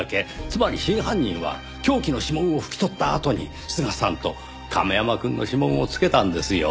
つまり真犯人は凶器の指紋を拭き取ったあとに須賀さんと亀山くんの指紋を付けたんですよ。